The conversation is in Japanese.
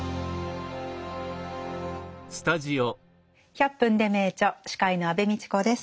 「１００分ｄｅ名著」司会の安部みちこです。